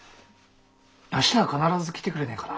明日は必ず来てくれねえかな。